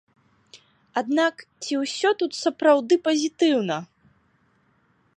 Аднак ці ўсё тут сапраўды пазітыўна?